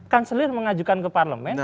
kanselir mengajukan ke parlement